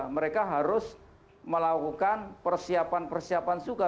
mereka harus melakukan persiapan persiapan juga